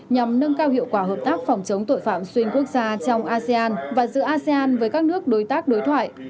nhằm nâng cao hiệu quả hợp tác phòng chống tội phạm xuyên quốc gia trong asean và giữa asean với các nước đối tác đối thoại